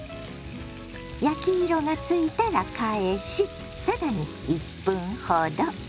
焼き色がついたら返し更に１分ほど。